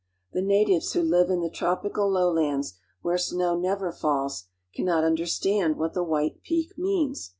The ^^M natives who live in the tropical lowlands, where snow never Kilimanjaro. falls, can not understand what the white peak means.